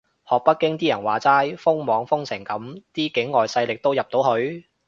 學北京啲人話齋，封網封成噉啲境外勢力都入到去？